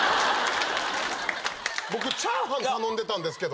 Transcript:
僕チャーハン頼んでたんですけど。